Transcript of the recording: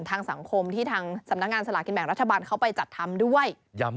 ทางสังคมที่ทางสำนักงานสลากินแบ่งรัฐบาลเขาไปจัดทำด้วย